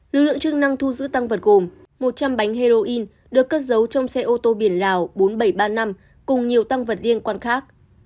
lực lượng chức năng thu giữ tăng vật gồm một trăm linh bánh heroin được cất giấu trong xe ô tô biển lào bốn nghìn bảy trăm ba mươi năm cùng nhiều tăng vật liên quan khác